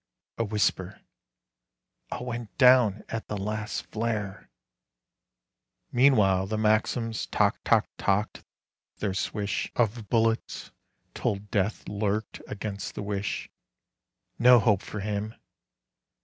A whisper: "'A went down at the last flare." Meanwhile the Maxims toc toc tocked; their swish Of bullets told death lurked against the wish. No hope for him!